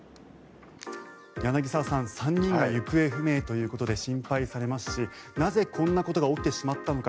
柳澤さん３人が行方不明ということで心配されますしなぜこんなことが起きてしまったのか。